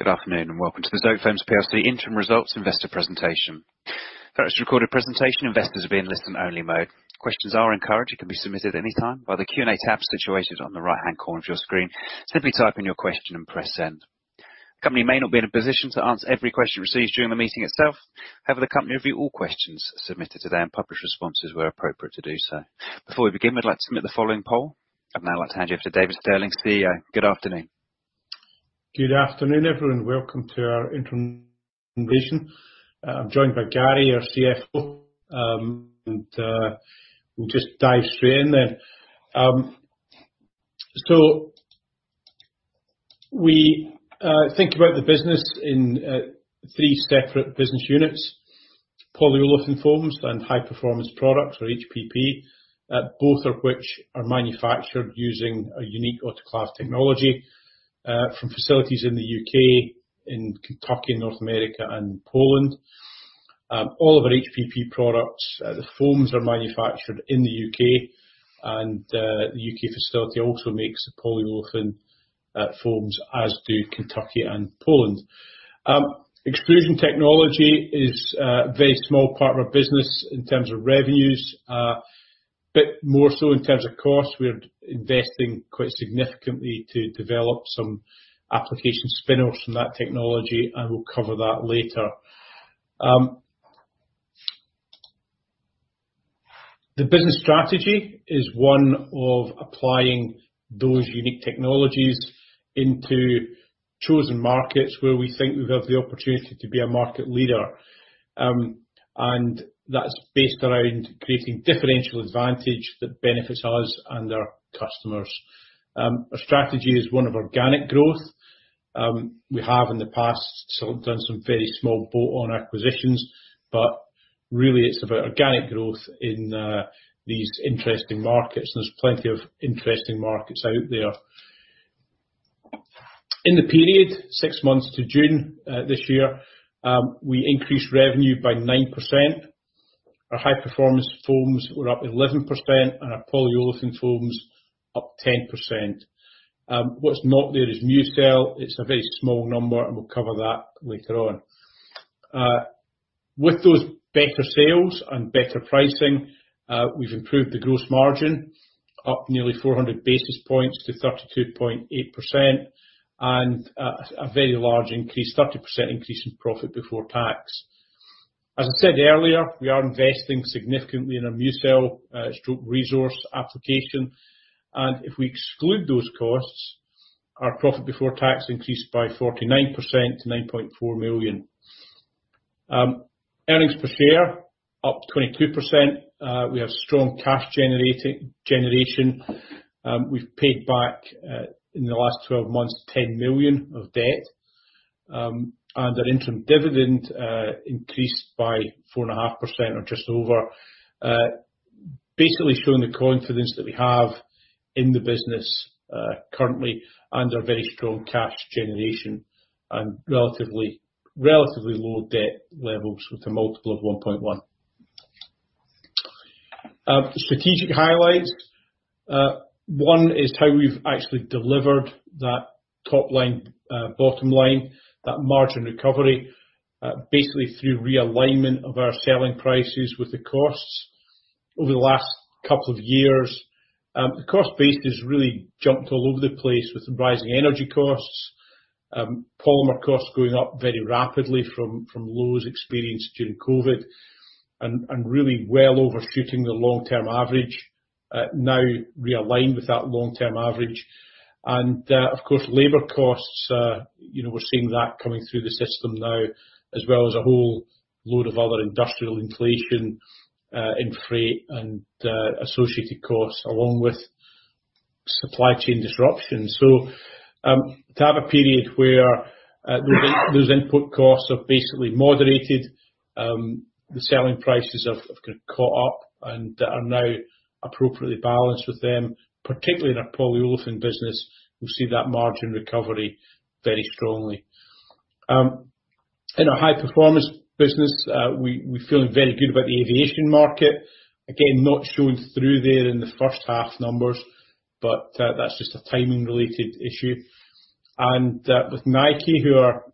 Good afternoon. Welcome to the Zotefoams PLC Interim Results Investor Presentation. For this recorded presentation, investors will be in listen-only mode. Questions are encouraged and can be submitted anytime by the Q&A tab situated on the right-hand corner of your screen. Simply type in your question and press send. The company may not be in a position to answer every question received during the meeting itself, however, the company will review all questions submitted today and publish responses where appropriate to do so. Before we begin, I'd like to submit the following poll. I'd now like to hand you over to David Stirling, CEO. Good afternoon. Good afternoon, everyone, welcome to our interim presentation. I'm joined by Gary, our CFO, we'll just dive straight in then. We think about the business in three separate business units: polyolefin foams and High-Performance Products or HPP, both of which are manufactured using a unique autoclaved technology, from facilities in the U.K., in Kentucky, North America, and Poland. All of our HPP products, the foams are manufactured in the U.K., the U.K. facility also makes the polyolefin foams, as do Kentucky and Poland. Extrusion technology is a very small part of our business in terms of revenues, but more so in terms of cost. We're investing quite significantly to develop some application spinoffs from that technology, we'll cover that later. The business strategy is one of applying those unique technologies into chosen markets where we think we have the opportunity to be a market leader. That's based around creating differential advantage that benefits us and our customers. Our strategy is one of organic growth. We have in the past, some, done some very small bolt-on acquisitions, really it's about organic growth in these interesting markets. There's plenty of interesting markets out there. In the period, six months to June this year, we increased revenue by 9%. Our High-Performance foams were up 11% and our polyolefin foams up 10%. What's not there is MuCell. It's a very small number, and we'll cover that later on. With those better sales and better pricing, we've improved the gross margin, up nearly 400 basis points to 32.8% and a very large increase, 30% increase in profit before tax. As I said earlier, we are investing significantly in our MuCell, stroke resource application, and if we exclude those costs, our profit before tax increased by 49% to 9.4 million. Earnings per share up 22%. We have strong cash generation. We've paid back in the last 12 months, 10 million of debt. Our interim dividend increased by 4.5% or just over. Basically showing the confidence that we have in the business currently, and our very strong cash generation and relatively, relatively low debt levels, with a multiple of 1.1. Strategic highlights. One is how we've actually delivered that top line, bottom line, that margin recovery, basically through realignment of our selling prices with the costs over the last two years. The cost base has really jumped all over the place with the rising energy costs, polymer costs going up very rapidly from, from lows experienced during COVID, really well overshooting the long-term average, now realigned with that long-term average. Of course, labor costs, you know, we're seeing that coming through the system now, as well as a whole load of other industrial inflation in freight and associated costs, along with supply chain disruptions. To have a period where those input costs have basically moderated, the selling prices have, have got caught up and are now appropriately balanced with them, particularly in our polyolefin business, we'll see that margin recovery very strongly. In our high-performance business, we, we're feeling very good about the aviation market. Again, not showing through there in the first half numbers, but that's just a timing-related issue. With Nike, who are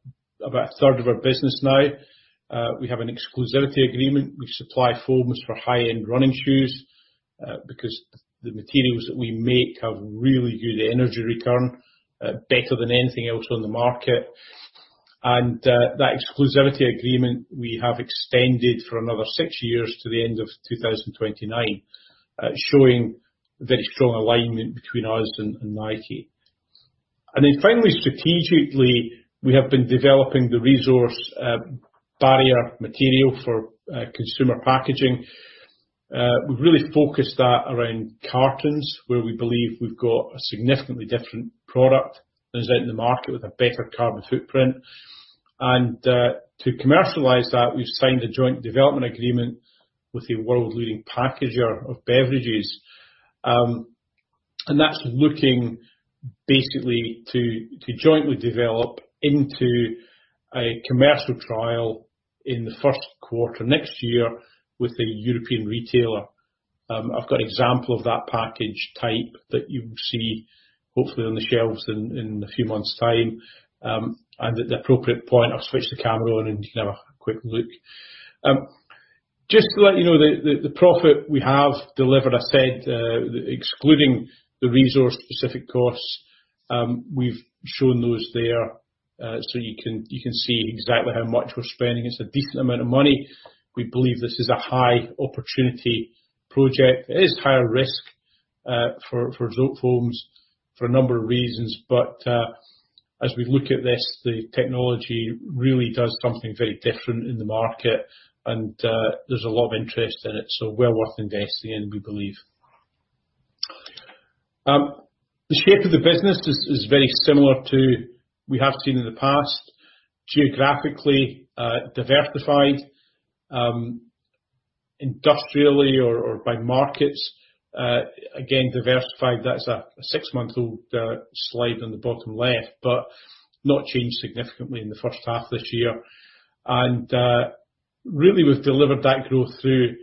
about a third of our business now, we have an exclusivity agreement. We supply foams for high-end running shoes, because the materials that we make have really good energy return, better than anything else on the market. That exclusivity agreement, we have extended for another six years to the end of 2029, showing very strong alignment between us and Nike. Finally, strategically, we have been developing the ReZorce barrier material for consumer packaging. We've really focused that around cartons, where we believe we've got a significantly different product that's out in the market with a better carbon footprint. To commercialize that, we've signed a joint development agreement with a world-leading packager of beverages. And that's looking basically to, to jointly develop into a commercial trial in the first quarter next year with a European retailer. I've got an example of that package type that you will see, hopefully, on the shelves in a few months' time. And at the appropriate point, I'll switch the camera on, and you can have a quick look. Just to let you know, the, the, the profit we have delivered, I said, excluding the resource-specific costs, we've shown those there, so you can, you can see exactly how much we're spending. It's a decent amount of money. We believe this is a high opportunity project. It is higher risk for, for foam homes for a number of reasons, but as we look at this, the technology really does something very different in the market, and there's a lot of interest in it, so well worth investing in, we believe. The shape of the business is, is very similar to we have seen in the past. Geographically, diversified. Industrially or, or by markets, again, diversified. That's a, a six-month-old slide on the bottom left, but not changed significantly in the first half this year. Really, we've delivered that growth through,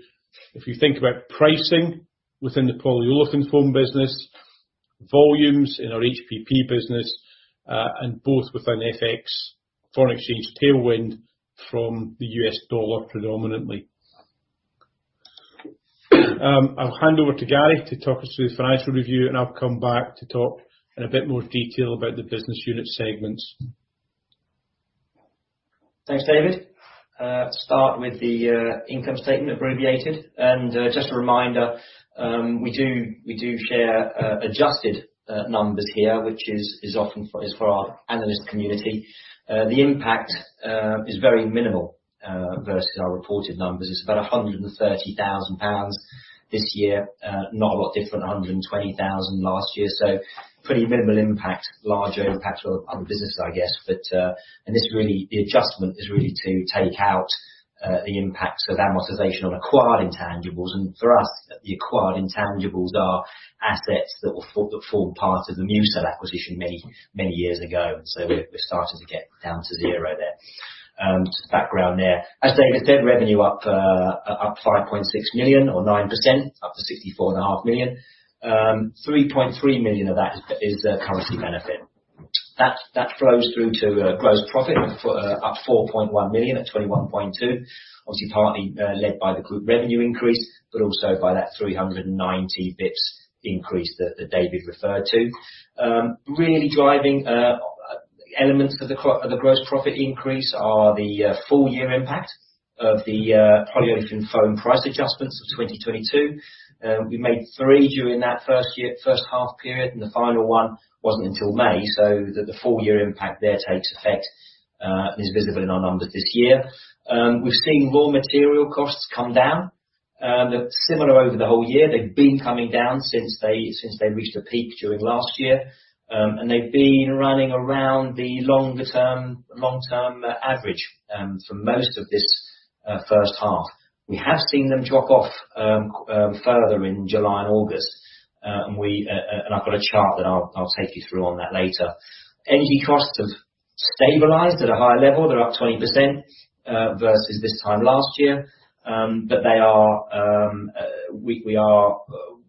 if you think about pricing within the polyolefin foam business, volumes in our HPP business, and both with an FX foreign exchange tailwind from the US dollar predominantly. I'll hand over to Gary to talk us through the financial review, and I'll come back to talk in a bit more detail about the business unit segments. Thanks, David. Start with the income statement, abbreviated. Just a reminder, we do, we do share adjusted numbers here, which is, is often for our analyst community. The impact is very minimal versus our reported numbers. It's about 130 thousand pounds this year, not a lot different, 120 thousand last year, pretty minimal impact, larger impact to our other businesses, I guess. The adjustment is really to take out the impacts of amortization on acquired intangibles. For us, the acquired intangibles are assets that formed part of the Musa acquisition many, many years ago. We're, we're starting to get down to zero there. Just background there. As David said, revenue up 5.6 million or 9%, up to 64.5 million. 3.3 million of that is currency benefit. That flows through to gross profit, up 4.1 million, at 21.2 million. Obviously, partly led by the group revenue increase, but also by that 390 BIPS increase that David referred to. Really driving elements of the gross profit increase are the full year impact of the polyolefin foam price adjustments of 2022. We made three during that first year, first half period, and the final one wasn't until May, so the full year impact there takes effect, is visible in our numbers this year. We've seen raw material costs come down. They're similar over the whole year. They've been coming down since they, since they reached a peak during last year. They've been running around the longer term, long-term average for most of this first half. We have seen them drop off further in July and August. I've got a chart that I'll take you through on that later. Energy costs have stabilized at a higher level. They're up 20% versus this time last year.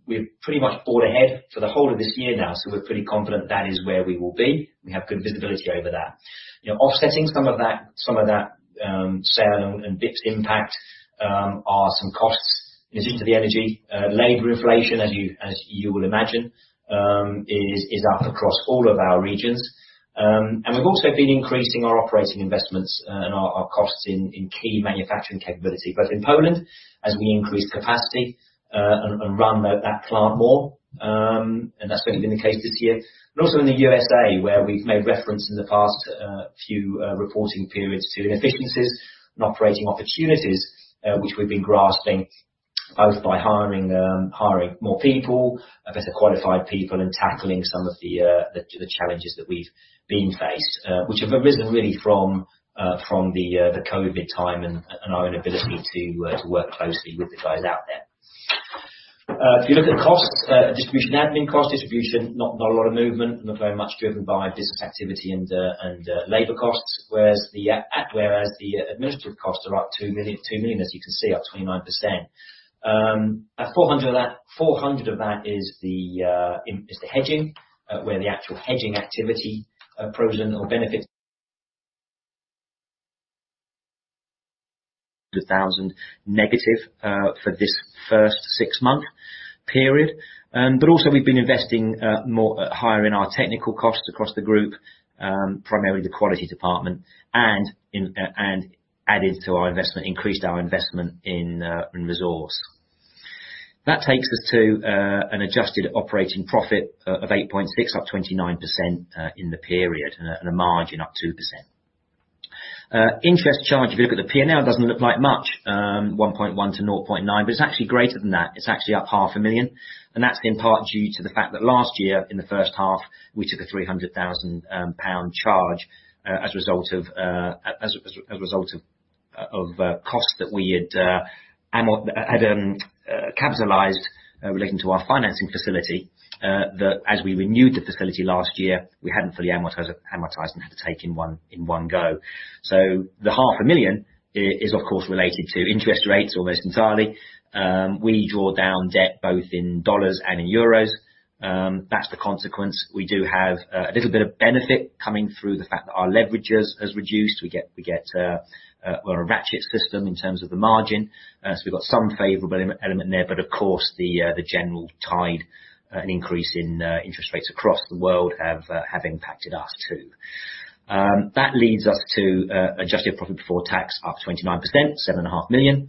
We're pretty much all ahead for the whole of this year now, so we're pretty confident that is where we will be. We have good visibility over that. You know, offsetting some of that, some of that, sale and BIPS impact, are some costs related to the energy. Labor inflation, as you, as you would imagine, is up across all of our regions. We've also been increasing our operating investments and our costs in key manufacturing capability, both in Poland, as we increase capacity, and run that plant more. That's really been the case this year. Also in the USA, where we've made reference in the past few reporting periods to inefficiencies and operating opportunities, which we've been grasping, both by hiring more people, better qualified people, and tackling some of the challenges that we've been faced, which have arisen really from the COVID time and our inability to work closely with the guys out there. If you look at costs, distribution, admin costs, distribution, not a lot of movement, not very much driven by business activity and labor costs, whereas the administrative costs are up 2 million, 2 million, as you can see, up 29%. 400 of that, 400 of that is the is the hedging, where the actual hedging activity pros and/or benefits, 1,000 negative for this first six-month period. Also we've been investing more higher in our technical costs across the group, primarily the quality department, and in and added to our investment, increased our investment in resource. That takes us to an adjusted operating profit of 8.6, up 29% in the period, and a, and a margin up 2%. Interest charge, if you look at the P&L, doesn't look like much, 1.1 to 0.9, but it's actually greater than that. It's actually up £500,000. That's in part due to the fact that last year, in the first half, we took a £300,000 pound charge as a result of costs that we had capitalized relating to our financing facility. As we renewed the facility last year, we hadn't fully amortized and had to take it in one, in one go. The £500,000 is, of course, related to interest rates almost entirely. We draw down debt both in dollars and in euros. That's the consequence. We do have a little bit of benefit coming through the fact that our leverage has reduced. We get, we're a ratchet system in terms of the margin. We've got some favorable element there, but of course, the general tide and increase in interest rates across the world have impacted us, too. That leads us to adjusted profit before tax, up 29%, 7.5 million.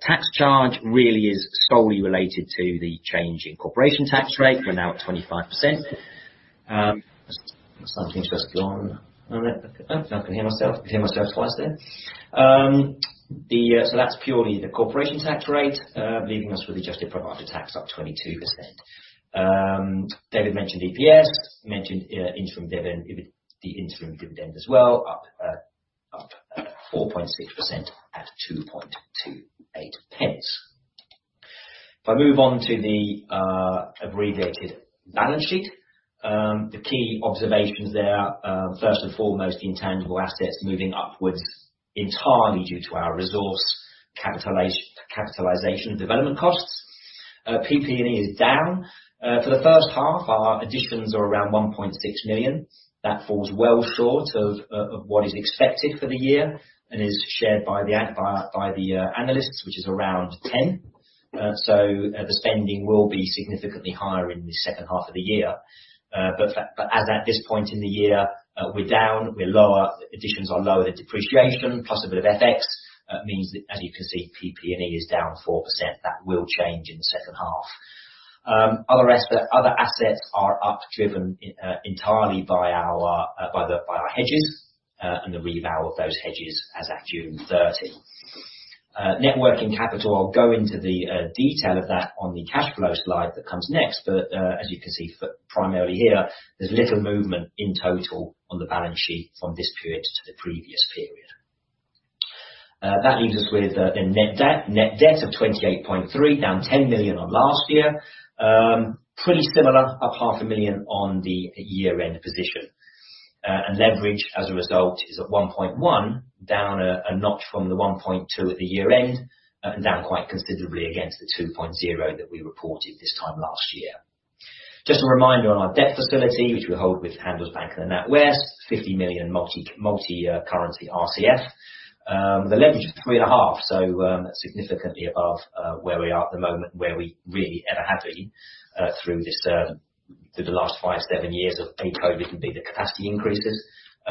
Tax charge really is solely related to the change in corporation tax rate. We're now at 25%. Something's just gone. Oh, I can hear myself, hear myself twice there. That's purely the corporation tax rate, leaving us with adjusted profit after tax, up 22%. David mentioned EPS, mentioned interim dividend, the interim dividend as well, up 4.6% at 2.28 pence. If I move on to the abbreviated balance sheet, the key observations there are, first and foremost, intangible assets moving upwards entirely due to our resource capitalization of development costs. PP&E is down. For the first half, our additions are around £1.6 million. That falls well short of what is expected for the year and is shared by the analysts, which is around £10 million. The spending will be significantly higher in the second half of the year. As at this point in the year, we're down, we're lower, additions are lower than depreciation, plus a bit of FX. Means that, as you can see, PP&E is down 4%. That will change in the second half. Other asset, other assets are up, driven entirely by our by our hedges, and the reval of those hedges as at June 30. Net working capital, I'll go into the detail of that on the cash flow slide that comes next, but as you can see primarily here, there's little movement in total on the balance sheet from this period to the previous period. That leaves us with the net debt. Net debt of 28.3 million, down 10 million on last year. Pretty similar, up 500,000 on the year-end position. Leverage, as a result, is at 1.1, down a notch from the 1.2 at the year end, and down quite considerably against the 2.0 that we reported this time last year. Just a reminder on our debt facility, which we hold with Handelsbanken and NatWest, 50 million multi-currency RCF. The leverage is 3.5, so significantly above where we are at the moment, where we really ever have been through this through the last 5, 7 years of pre-COVID and the capacity increases.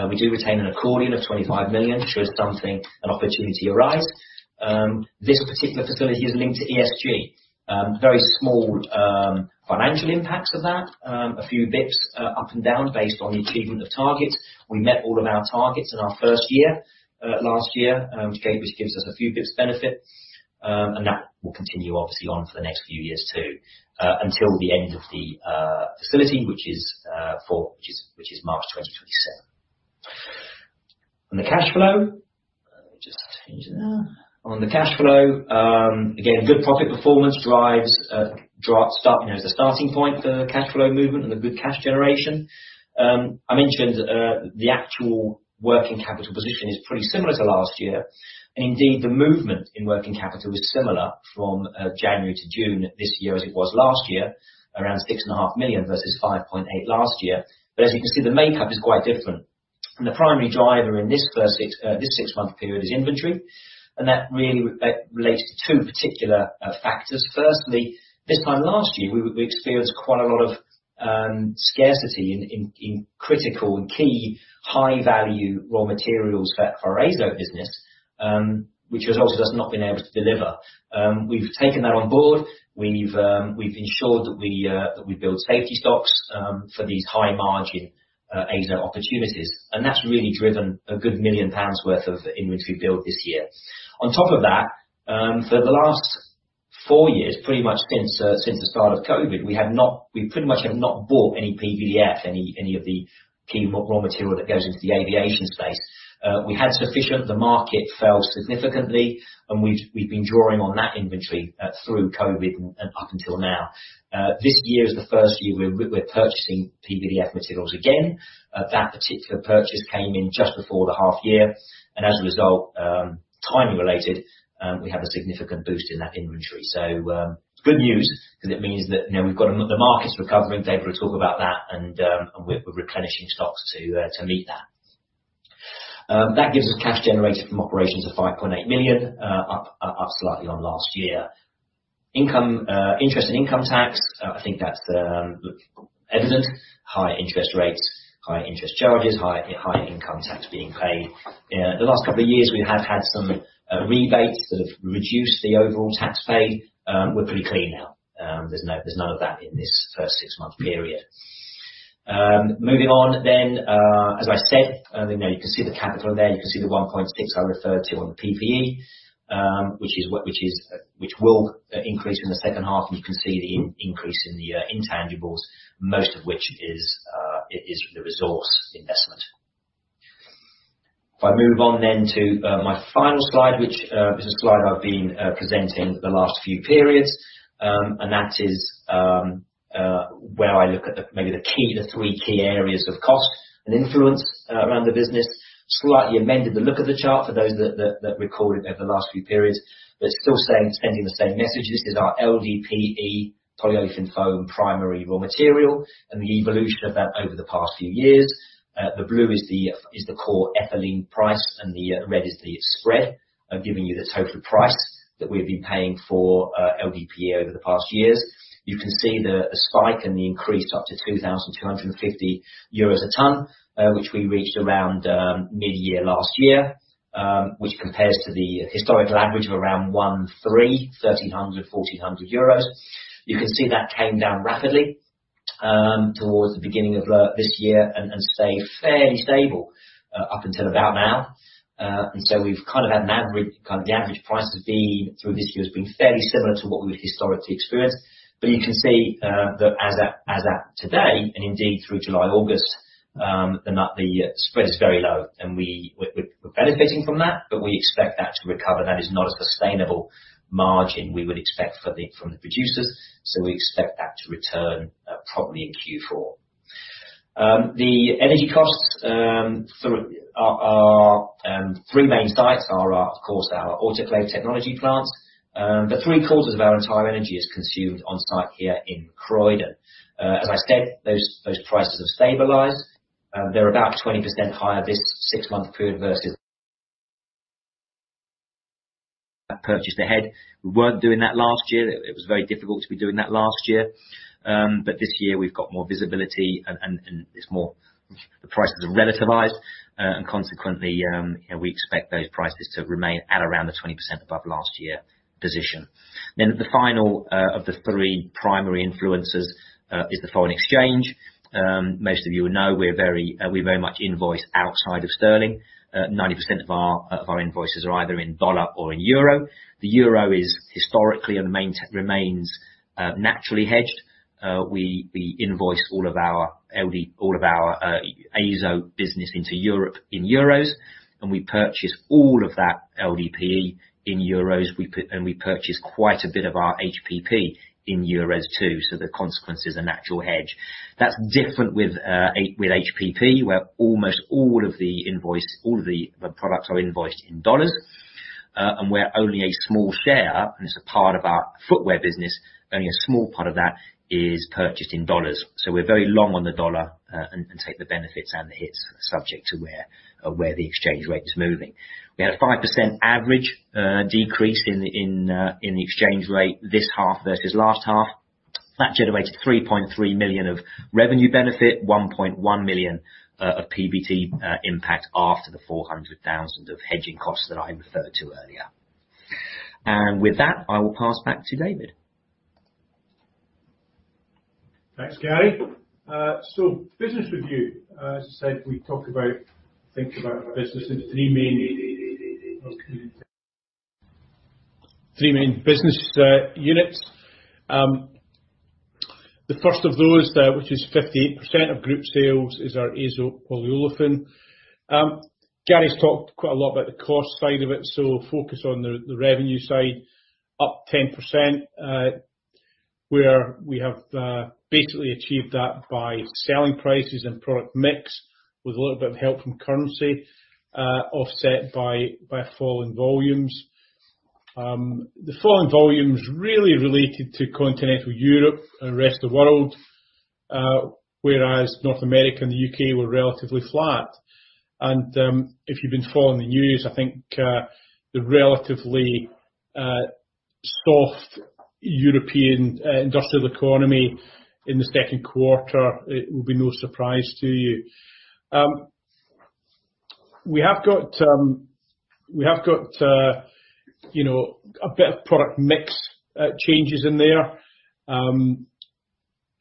We do retain an accordion of 25 million, should something, an opportunity arise. This particular facility is linked to ESG. Very small financial impacts of that. A few bips up and down based on the achievement of targets. We met all of our targets in our 1st year last year, which gives us a few bips benefit. That will continue, obviously, on for the next few years, too, until the end of the facility, which is March 2027. On the cash flow... Let me just change that. On the cash flow, again, good profit performance drives, you know, as a starting point for cash flow movement and the good cash generation. I mentioned the actual working capital position is pretty similar to last year, and indeed, the movement in working capital is similar from January to June this year as it was last year, around 6.5 million versus 5.8 million last year. As you can see, the makeup is quite different. The primary driver in this six-month period is inventory, and that really relates to two particular factors. Firstly, this time last year, we experienced quite a lot of scarcity in critical and key high-value raw materials for our AZO business, which has also just not been able to deliver. We've taken that on board. We've ensured that we build safety stocks for these high margin AZO opportunities, and that's really driven a good 1 million pounds worth of inventory build this year. On top of that, for the last four years, pretty much since the start of COVID, we pretty much have not bought any PBF, any of the key raw material that goes into the aviation space. We had sufficient, the market fell significantly, and we've, we've been drawing on that inventory through COVID and up until now. This year is the first year we're, we're, we're purchasing PBF materials again. That particular purchase came in just before the half year, and as a result, timing related, we have a significant boost in that inventory. Good news, because it means that, you know, we've got a The market's recovering, David will talk about that, and we're, we're replenishing stocks to meet that. That gives us cash generated from operations of 5.8 million, up, up, up slightly on last year. Income, interest and income tax, I think that's evident. High interest rates, high interest charges, high, high income tax being paid. The last couple of years, we have had some rebates that have reduced the overall tax paid. We're pretty clean now. There's no, there's none of that in this first six-month period. Moving on then, as I said, you know, you can see the capital there. You can see the 1.6 I referred to on the PPE, which is what, which is, which will increase in the second half, and you can see the increase in the intangibles, most of which is, it is the resource investment. If I move on then to my final slide, which is a slide I've been presenting the last few periods. That is where I look at the three key areas of cost and influence around the business. Slightly amended the look of the chart for those that recorded over the last few periods, but still saying, sending the same message. This is our LDPE polyolefin foam primary raw material, and the evolution of that over the past few years. The blue is the core ethylene price, and the red is the spread, giving you the total price that we've been paying for LDPE over the past years. You can see the spike and the increase up to 2,250 euros a ton, which we reached around mid-year last year, which compares to the historical average of around 1,300-1,400 euros. You can see that came down rapidly towards the beginning of this year, and stayed fairly stable up until about now. We've kind of the average price has been, through this year, has been fairly similar to what we've historically experienced. You can see that as at today, and indeed through July, August, the spread is very low, and we're benefiting from that, but we expect that to recover. That is not a sustainable margin we would expect from the producers, so we expect that to return probably in Q4. The energy costs through our three main sites are of course our autoclave technology plants. Three quarters of our entire energy is consumed on site here in Croydon. As I said, those, those prices have stabilized. They're about 20% higher this six-month period versus... Purchased ahead. We weren't doing that last year. It, it was very difficult to be doing that last year. This year we've got more visibility and, and, and it's more-- the prices are relativized, and consequently, you know, we expect those prices to remain at around the 20% above last year position. The final of the three primary influences is the foreign exchange. Most of you will know we're very-- we very much invoice outside of sterling. 90% of our, of our invoices are either in US dollar or in euro. The euro is historically and remains, remains, naturally hedged. We, we invoice all of our AZO business into Europe in euros, and we purchase all of that LDPE in euros. We and we purchase quite a bit of our HPP in euros, too, so the consequence is a natural hedge. That's different with HPP, where almost all of the invoice, all of the, the products are invoiced in dollars, and where only a small share, and it's a part of our footwear business, only a small part of that is purchased in dollars. We're very long on the dollar, and, and take the benefits and the hits, subject to where, where the exchange rate is moving. We had a 5% average decrease in the, in, in the exchange rate this half versus last half. That generated 3.3 million of revenue benefit, 1.1 million of PBT impact, after the 400,000 of hedging costs that I referred to earlier. With that, I will pass back to David. Thanks, Gary. Business review. As I said, we talk about, think about our business in three main business units. The first of those, which is 58% of group sales, is our AZO polyolefin. Gary's talked quite a lot about the cost side of it, so we'll focus on the revenue side, up 10%. We have basically achieved that by selling prices and product mix, with a little bit of help from currency, offset by falling volumes. The falling volumes really related to continental Europe and the rest of the world, whereas North America and the U.K. were relatively flat. If you've been following the news, I think, the relatively soft European industrial economy in the second quarter, it will be no surprise to you. We have got, we have got, you know, a bit of product mix changes in there.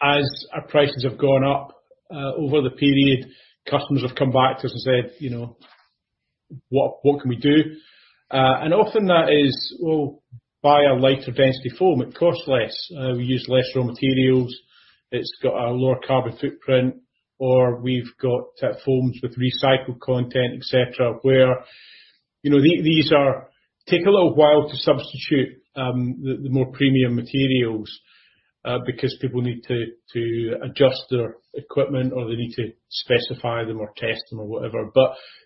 As our prices have gone up over the period, customers have come back to us and said: "You know, what, what can we do?" And often that is, "Well, buy a lighter density foam. It costs less. We use less raw materials, it's got a lower carbon footprint, or we've got foams with recycled content," et cetera. Where, you know, these are take a little while to substitute the, the more premium materials because people need to, to adjust their equipment, or they need to specify them, or test them, or whatever.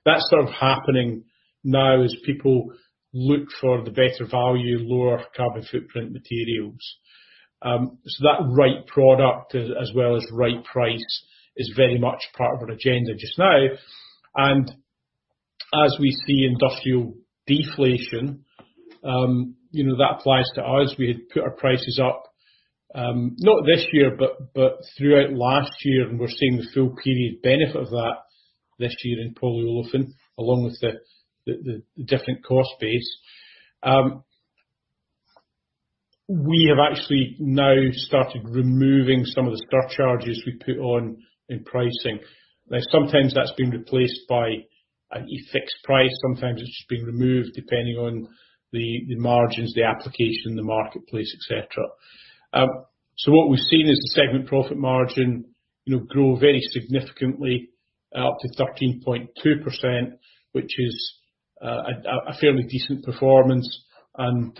That's sort of happening now as people look for the better value, lower carbon footprint materials. That right product, as, as well as right price, is very much part of our agenda just now. As we see industrial deflation, you know, that applies to us. We had put our prices up, not this year, but throughout last year, and we're seeing the full period benefit of that this year in polyolefin, along with the different cost base. We have actually now started removing some of the surcharges we put on in pricing. Sometimes that's been replaced by a fixed price, sometimes it's just been removed, depending on the margins, the application, the marketplace, et cetera. What we've seen is the segment profit margin-... you know, grow very significantly, up to 13.2%, which is a, a fairly decent performance, and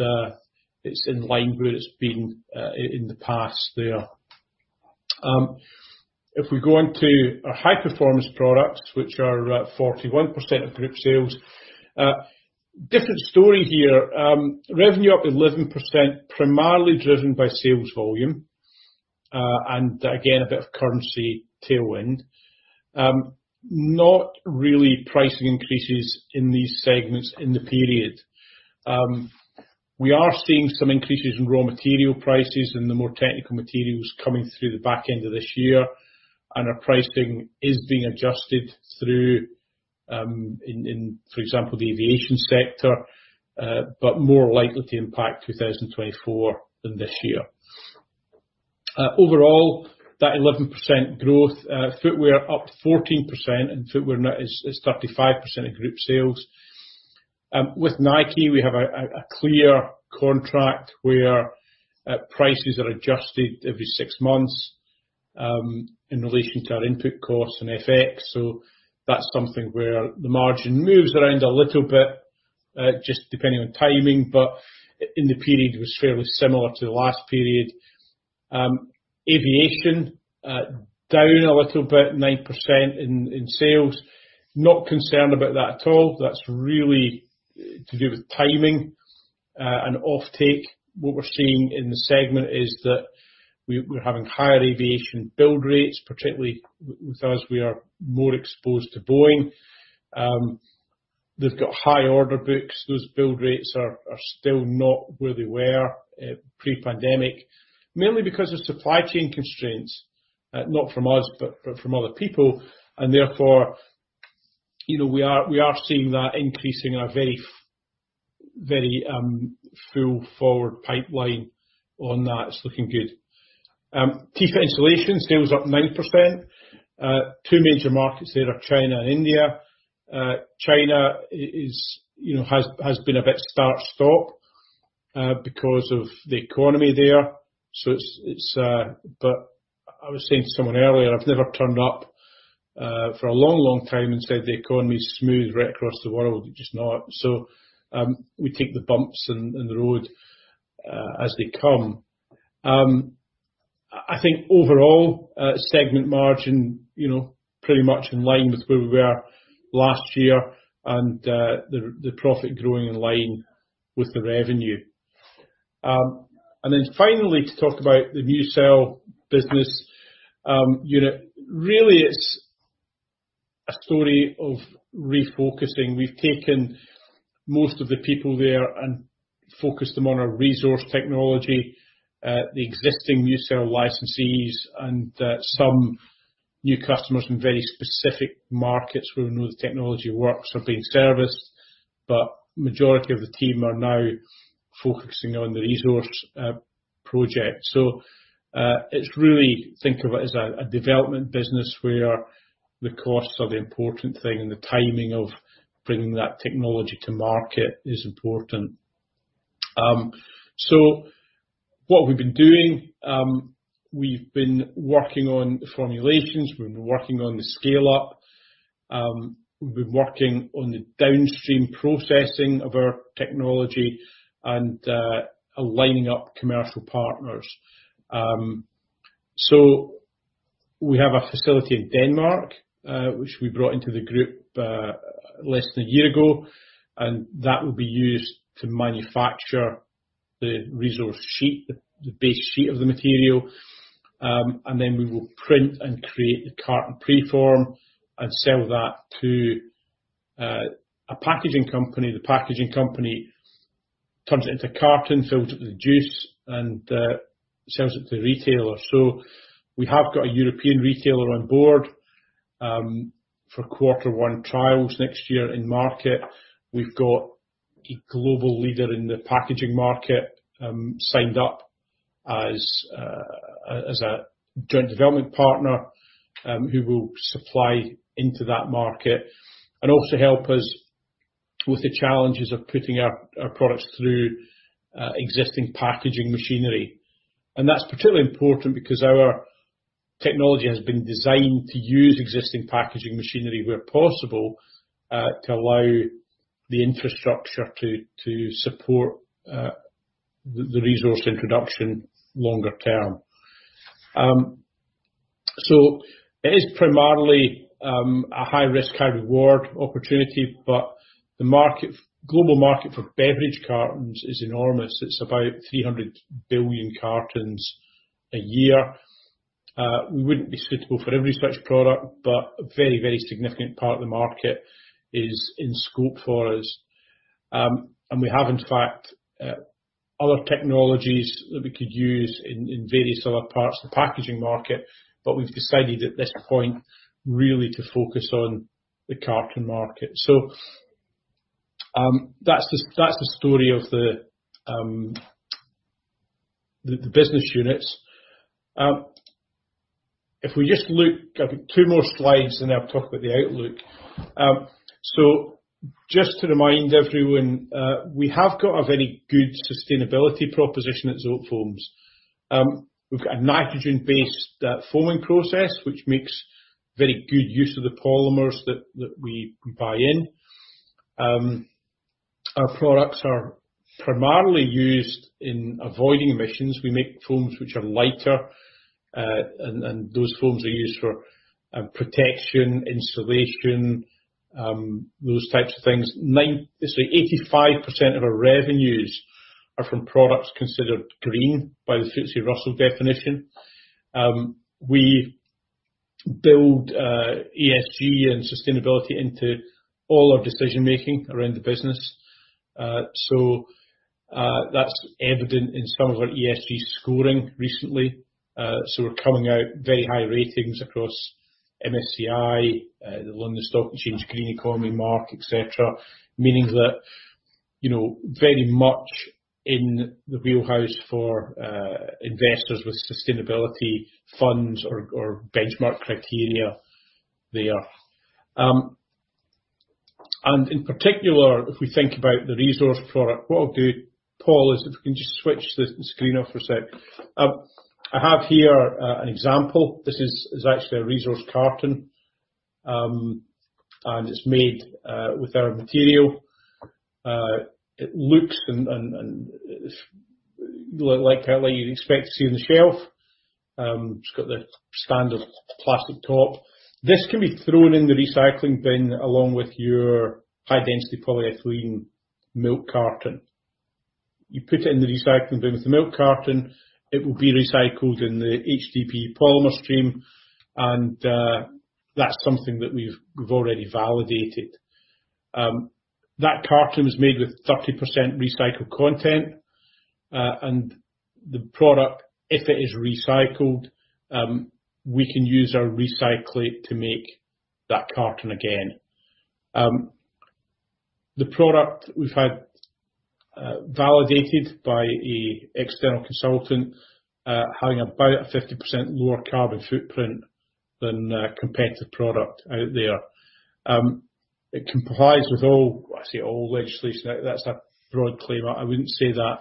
it's in line where it's been in the past there. If we go on to our High-Performance Products, which are 41% of group sales, different story here. Revenue up 11%, primarily driven by sales volume, and again, a bit of currency tailwind. Not really pricing increases in these segments in the period. We are seeing some increases in raw material prices and the more technical materials coming through the back end of this year, and our pricing is being adjusted through, in, in, for example, the aviation sector, but more likely to impact 2024 than this year. Overall, that 11% growth, footwear up 14%, and footwear now is 35% of group sales. With Nike, we have a clear contract where prices are adjusted every six months in relation to our input costs and FX, so that's something where the margin moves around a little bit just depending on timing, but in the period, it was fairly similar to the last period. Aviation down a little bit, 9% in sales. Not concerned about that at all. That's really to do with timing and offtake. What we're seeing in the segment is that we're having higher aviation build rates, particularly with us, we are more exposed to Boeing. They've got high order books. Those build rates are, are still not where they were pre-pandemic, mainly because of supply chain constraints, not from us, but, but from other people, and therefore, you know, we are, we are seeing that increase in our very, very full forward pipeline on that. It's looking good. Tefa Insulation sales up 9%. Two major markets there are China and India. China is, you know, has, has been a bit start, stop, because of the economy there. It's, it's... But I was saying to someone earlier, I've never turned up for a long, long time and said, "The economy is smooth right across the world." It's just not. We take the bumps in, in the road as they come. I, I think overall, segment margin, you know, pretty much in line with where we were last year and the, the profit growing in line with the revenue. Finally, to talk about the MuCell business unit, really it's a story of refocusing. We've taken most of the people there and focused them on our ReZorce technology, the existing MuCell licensees and some new customers in very specific markets where we know the technology works are being serviced, but majority of the team are now focusing on the ReZorce project. It's really think of it as a, a development business where the costs are the important thing, and the timing of bringing that technology to market is important. What we've been doing, we've been working on the formulations, we've been working on the scale-up, we've been working on the downstream processing of our technology and aligning up commercial partners. We have a facility in Denmark, which we brought into the group less than a year ago, and that will be used to manufacture the ReZorce sheet, the base sheet of the material, and then we will print and create the carton preform and sell that to a packaging company. The packaging company turns it into a carton, fills it with juice, and sells it to the retailer. We have got a European retailer on board for quarter one trials next year in market. We've got a global leader in the packaging market, signed up as a joint development partner, who will supply into that market and also help us with the challenges of putting our, our products through existing packaging machinery. That's particularly important because our technology has been designed to use existing packaging machinery where possible, to allow the infrastructure to, to support the, the resource introduction longer term. It is primarily a high-risk, high-reward opportunity, but the global market for beverage cartons is enormous. It's about 300 billion cartons a year. We wouldn't be suitable for every such product, but a very, very significant part of the market is in scope for us. We have, in fact, other technologies that we could use in, in various other parts of the packaging market, but we've decided at this point, really, to focus on the carton market. That's the, that's the story of the, the business units. If we just look. I've got two more slides, and then I'll talk about the outlook. Just to remind everyone, we have got a very good sustainability proposition at Zotefoams. We've got a nitrogen-based foaming process, which makes very good use of the polymers that, that we buy in. Our products are primarily used in avoiding emissions. We make foams which are lighter, and, and those foams are used for protection, insulation, those types of things. So 85% of our revenues are from products considered green by the FTSE Russell definition. We build ESG and sustainability into all our decision-making around the business. So that's evident in some of our ESG scoring recently. So we're coming out very high ratings across MSCI, the London Stock Exchange, Green Economy Mark, et cetera, meaning that, you know, very much in the wheelhouse for investors with sustainability funds or benchmark criteria there. In particular, if we think about the ReZorce product, what I'll do, Paul, is if we can just switch the screen off for a sec. I have here an example. This is actually a ReZorce carton, and it's made with our material. It looks and like you'd expect to see on the shelf. It's got the standard plastic top. This can be thrown in the recycling bin, along with your high-density polyethylene milk carton. You put it in the recycling bin with the milk carton, it will be recycled in the HDPE polymer stream, that's something that we've, we've already validated. That carton is made with 30% recycled content, the product, if it is recycled, we can use our recyclate to make that carton again. The product we've had validated by a external consultant, having about a 50% lower carbon footprint than a competitive product out there. It complies with all, I say all legislation. That's a broad claim. I wouldn't say that,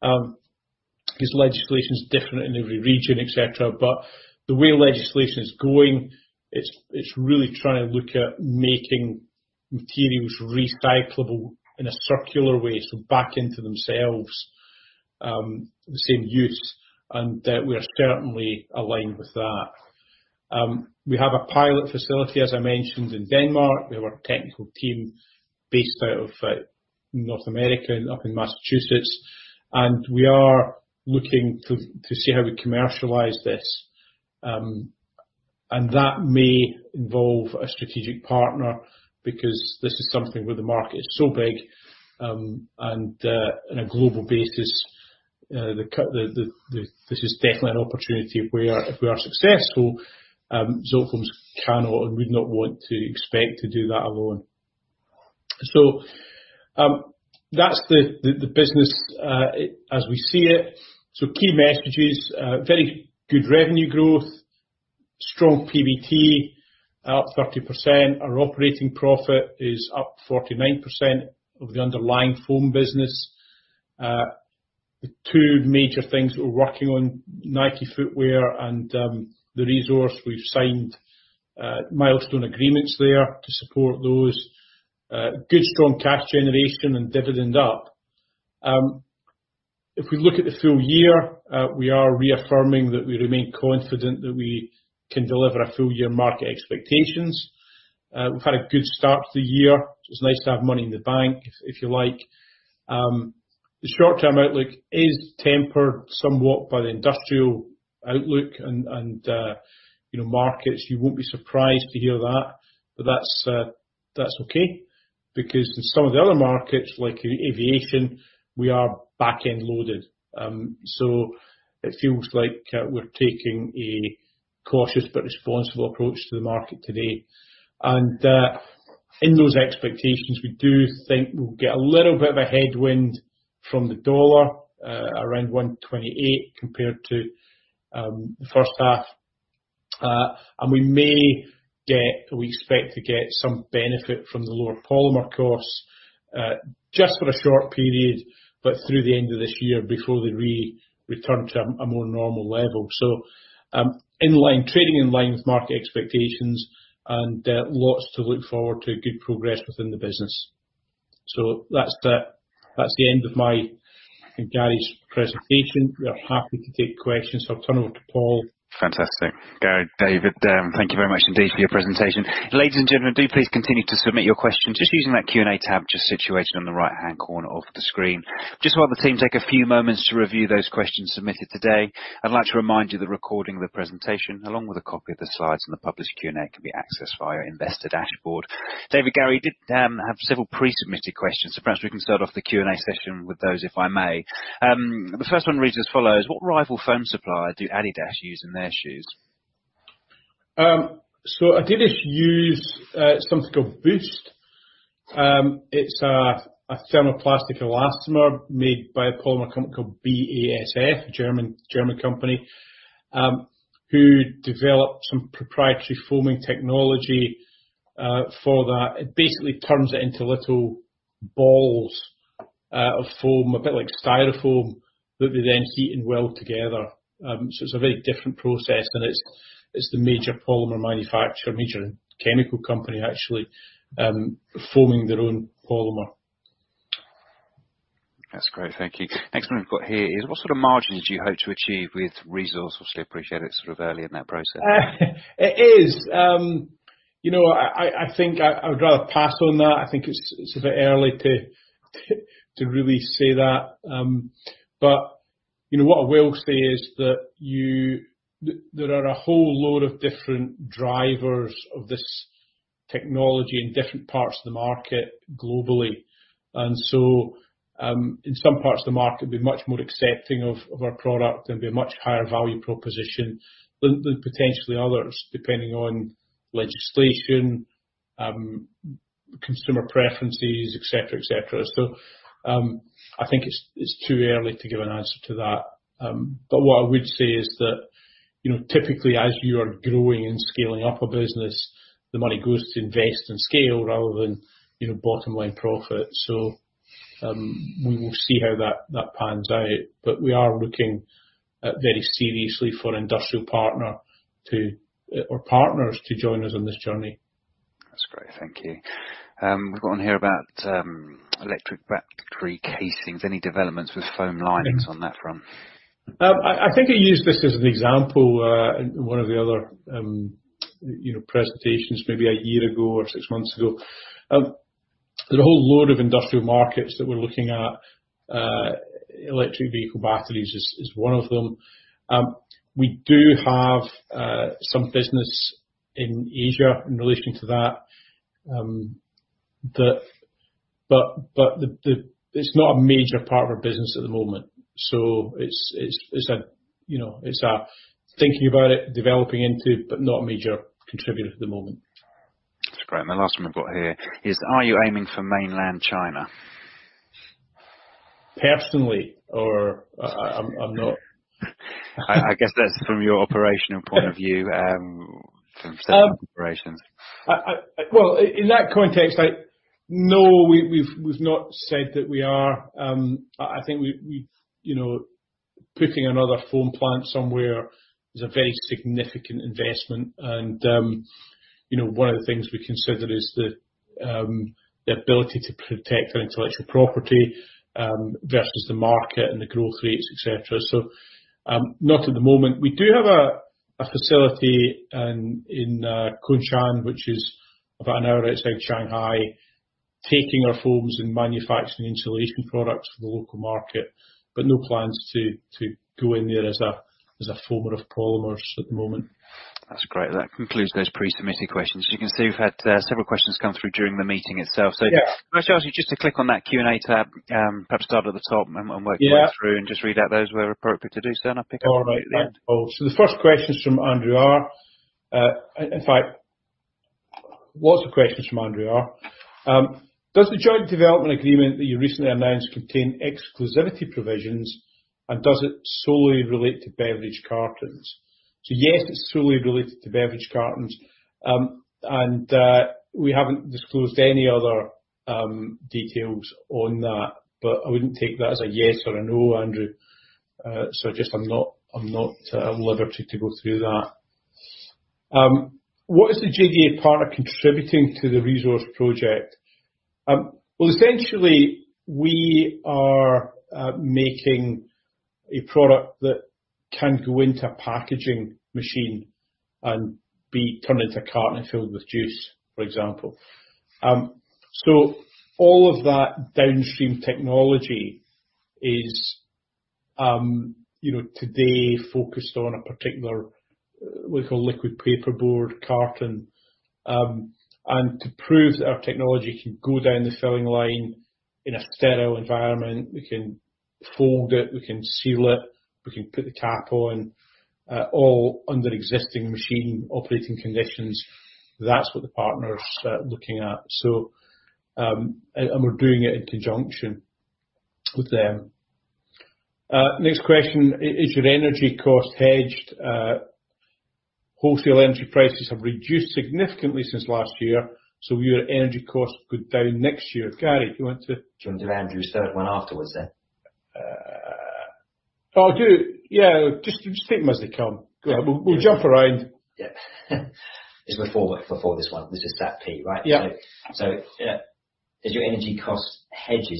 because legislation is different in every region, et cetera, but the way legislation is going, it's, it's really trying to look at making materials recyclable in a circular way, so back into themselves, the same use, and we are certainly aligned with that. We have a pilot facility, as I mentioned, in Denmark. We have a technical team based out of North America, up in Massachusetts, and we are looking to, to see how we commercialize this. That may involve a strategic partner because this is something where the market is so big, and on a global basis, this is definitely an opportunity where if we are successful, Zotefoams cannot and would not want to expect to do that alone. That's the, the, the business as we see it. Key messages, very good revenue growth, strong PBT, up 30%. Our operating profit is up 49% of the underlying foam business. The two major things we're working on, NIKE footwear and ReZorce, we've signed milestone agreements there to support those. Good, strong cash generation and dividend up. If we look at the full year, we are reaffirming that we remain confident that we can deliver our full-year market expectations. We've had a good start to the year, which is nice to have money in the bank, if, if you like. The short-term outlook is tempered somewhat by the industrial outlook and, and, you know, markets. You won't be surprised to hear that, but that's okay, because in some of the other markets, like aviation, we are back-end loaded. It feels like we're taking a cautious but responsible approach to the market today. In those expectations, we do think we'll get a little bit of a headwind from the dollar, around 1.28 compared to the first half. We expect to get some benefit from the lower polymer costs just for a short period, but through the end of this year, before they re-return to a more normal level. In line, trading in line with market expectations and lots to look forward to good progress within the business. That's the end of me and Gary's presentation. We are happy to take questions, so I'll turn over to Paul. Fantastic. Gary, David, thank you very much indeed for your presentation. Ladies and gentlemen, do please continue to submit your questions, just using that Q&A tab, just situated on the right-hand corner of the screen. Just while the team take a few moments to review those questions submitted today. I'd like to remind you the recording of the presentation, along with a copy of the slides and the published Q&A, can be accessed via investor dashboard. David, Gary, did have several pre-submitted questions, so perhaps we can start off the Q&A session with those, if I may. The first one reads as follows: What rival foam supplier do Adidas use in their shoes? Adidas use something called Boost. It's a thermoplastic elastomer made by a polymer company called BASF, a German, German company, who developed some proprietary foaming technology for that. It basically turns it into little balls of foam, a bit like Styrofoam, that they then heat and weld together. It's a very different process, and it's, it's the major polymer manufacturer, major chemical company, actually, forming their own polymer. That's great. Thank you. Next one we've got here is: What sort of margins do you hope to achieve with ReZorce? Obviously, I appreciate it's sort of early in that process. It is. You know, I, I, I think I, I would rather pass on that. I think it's, it's a bit early to, to really say that. You know, what I will say is that there are a whole load of different drivers of this technology in different parts of the market, globally. In some parts of the market, we're much more accepting of, of our product, and be a much higher value proposition than, than potentially others, depending on legislation, consumer preferences, et cetera, et cetera. I think it's, it's too early to give an answer to that. What I would say is that, you know, typically, as you are growing and scaling up a business, the money goes to invest and scale rather than, you know, bottom line profit. We will see how that, that pans out, but we are looking at, very seriously, for an industrial partner to, or partners to join us on this journey. That's great. Thank you. We've got one here about electric battery casings. Any developments with foam linings on that front? I, I think I used this as an example in one of the other, you know, presentations maybe a year ago or six months ago. There's a whole load of industrial markets that we're looking at. Electric vehicle batteries is, is one of them. We do have some business in Asia in relation to that. It's not a major part of our business at the moment, so it's, it's, it's a, you know, it's a thinking about it, developing into, but not a major contributor at the moment. That's great. The last one we've got here is: Are you aiming for mainland China? Personally or... I'm, I'm not? I, I guess that's from your operational point of view, from operations. Well, in that context, no, we've, we've not said that we are. I think we've, You know, putting another foam plant somewhere is a very significant investment. you know, one of the things we consider is the ability to protect our intellectual property versus the market and the growth rates, et cetera. Not at the moment. We do have a facility in Kunshan, which is about an hour outside Shanghai, taking our foams and manufacturing insulation products for the local market, but no plans to go in there as a foamer of polymers at the moment. That's great. That concludes those pre-submitted questions. You can see we've had several questions come through during the meeting itself. Yeah. Can I ask you just to click on that Q&A tab, perhaps start at the top and work your way through-. Yeah. Just read out those where appropriate to do so, and I'll pick it up at the end. All right. Thank you. The first question is from Andrew R. In fact, lots of questions from Andrew R. Does the joint development agreement that you recently announced contain exclusivity provisions, and does it solely relate to beverage cartons? Yes, it's solely related to beverage cartons. And we haven't disclosed any other details on that, but I wouldn't take that as a yes or a no, Andrew. Just I'm not, I'm not at liberty to go through that. What is the JDA partner contributing to the ReZorce project? Well, essentially, we are making a product that can go into a packaging machine and be turned into a carton filled with juice, for example. All of that downstream technology is, you know, today focused on a particular, we call liquid paperboard carton. To prove that our technology can go down the filling line in a sterile environment, we can fold it, we can seal it, we can put the cap on, all under existing machine operating conditions. That's what the partner is looking at. And we're doing it in conjunction with them. Next question: Is your energy cost hedged? Wholesale energy prices have reduced significantly since last year, so your energy costs go down next year. Gary, you want to- Do you want to do Andrew's third one afterwards then? Oh. Yeah, just, just take them as they come. Go on. We'll, we'll jump around. Yeah. It's before, before this one. It's just that P, right? Yeah. So, Yeah. Is your energy cost hedged?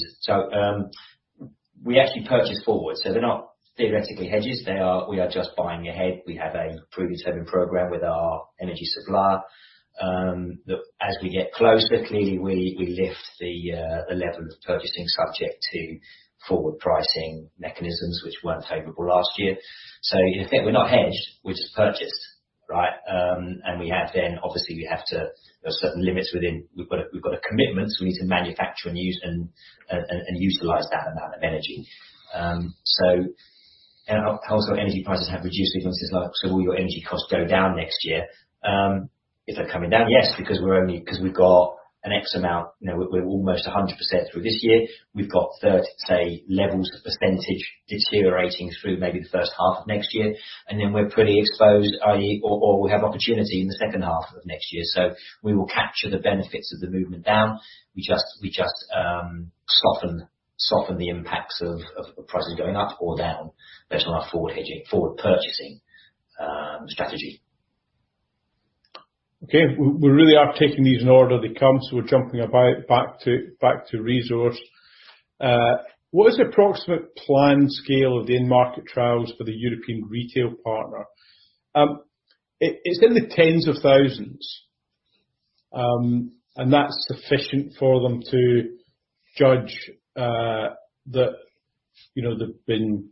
We actually purchase forward, so they're not theoretically hedged. They are. We are just buying ahead. We have a previous hiring program with our energy supplier, that as we get closer, clearly, we lift the level of purchasing, subject to forward pricing mechanisms, which weren't favorable last year. In effect, we're not hedged. We just purchase, right? We have then, obviously, we have to. There are certain limits within. We've got a commitment, so we need to manufacture and use and utilize that amount of energy. Household energy prices have reduced significantly, so will your energy costs go down next year? If they're coming down, yes, because we're only because we've got an X amount. You know, we're almost 100% through this year. We've got 30, say, levels of % deteriorating through maybe the first half of next year. We're pretty exposed, i.e., or we have opportunity in the second half of next year. We will capture the benefits of the movement down. We just soften the impacts of prices going up or down based on our forward hedging, forward purchasing strategy. Okay. We, we really are taking these in order they come, so we're jumping about back to, back to ReZorce. What is the approximate planned scale of the end market trials for the European retail partner? It, it's in the tens of thousands. That's sufficient for them to judge, that, you know, there've been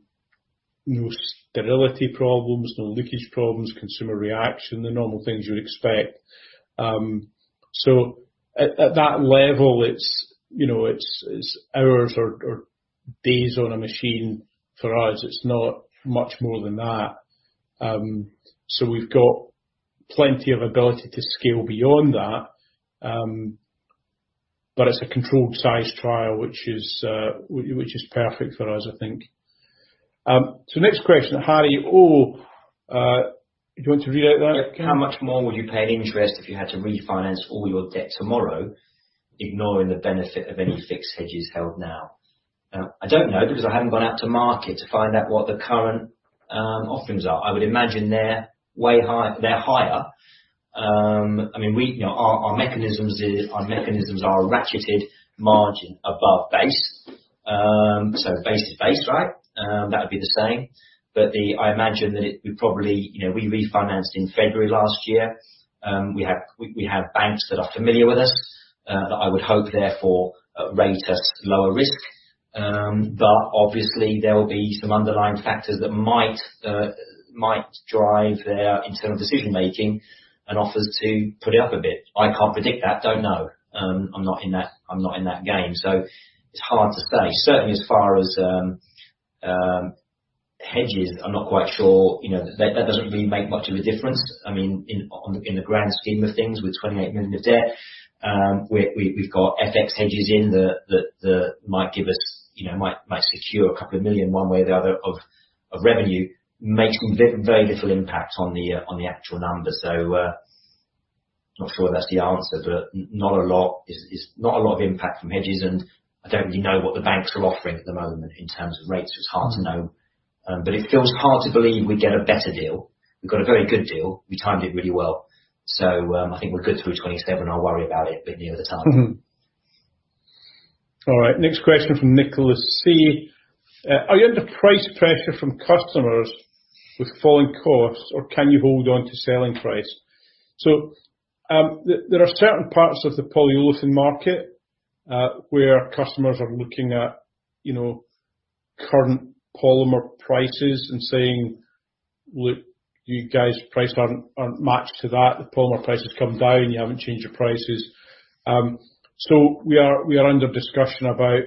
no sterility problems, no leakage problems, consumer reaction, the normal things you'd expect. At, at that level, it's, you know, it's, it's hours or, or days on a machine. For us, it's not much more than that. We've got plenty of ability to scale beyond that. It's a controlled size trial, which is, which, which is perfect for us, I think. Next question, Harry, Oh, do you want to read out that again? How much more would you pay in interest if you had to refinance all your debt tomorrow, ignoring the benefit of any fixed hedges held now? I don't know, because I haven't gone out to market to find out what the current offerings are. I would imagine they're way high-- they're higher. I mean, we, you know, our, our mechanisms are ratcheted margin above base. So base is base, right? That would be the same, but I imagine that it, we probably... You know, we refinanced in February last year. We have, we, we have banks that are familiar with us, that I would hope therefore, rate us lower risk. But obviously, there will be some underlying factors that might might drive their internal decision-making and offers to put it up a bit. I can't predict that. Don't know. I'm not in that, I'm not in that game, so it's hard to say. Certainly, as far as hedges, I'm not quite sure, you know, that, that doesn't really make much of a difference. I mean, in the grand scheme of things, with 28 million of debt, we've got FX hedges might give us, you know, might secure 2 million, one way or the other, of revenue, making very little impact on the actual numbers. Not sure whether that's the answer, but not a lot is. Not a lot of impact from hedges, and I don't really know what the banks are offering at the moment in terms of rates, so it's hard to know. It feels hard to believe we'd get a better deal. We've got a very good deal. We timed it really well. I think we're good through 2027. I'll worry about it a bit near the time. All right, next question from Nicholas C: Are you under price pressure from customers with falling costs, or can you hold on to selling price? There, there are certain parts of the polyolefin market where customers are looking at, you know, current polymer prices and saying, "Look, you guys' price aren't, aren't matched to that. The polymer price has come down, you haven't changed your prices." We are, we are under discussion about,